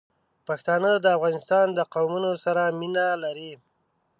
پښتانه د افغانستان د قومونو سره مینه لري.